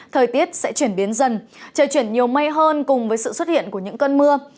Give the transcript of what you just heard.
thời tiết sẽ chuyển biến dần trời chuyển nhiều mây hơn cùng với sự xuất hiện của những cơn mưa